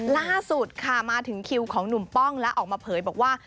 ล่าสุดค่ะมาถึงคิวของหนุ่มป้องแล้วออกมาเผยบอกว่า